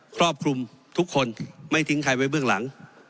ครอบคลุมทุกคนไม่ทิ้งใครไว้เบื้องหลัง